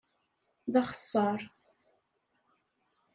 D axeṣṣar!